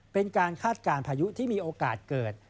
เป็นการคาดการณ์พายุที่มีโอกาสเกิด